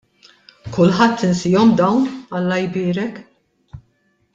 Kulħadd insihom dawn Alla jbierek!